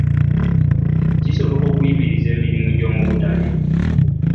Kisoboka okuyimiriza emirimu gy'omu butale?